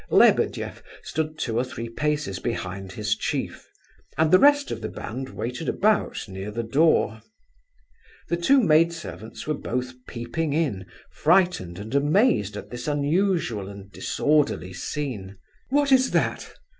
Lebedeff stood two or three paces behind his chief; and the rest of the band waited about near the door. The two maid servants were both peeping in, frightened and amazed at this unusual and disorderly scene. "What is that?"